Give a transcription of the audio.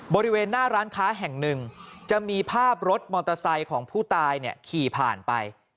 บริเวณหน้าร้านค้าแห่งหนึ่งจะมีภาพรถมอเตอร์ไซค์ของผู้ตายเนี่ยขี่ผ่านไป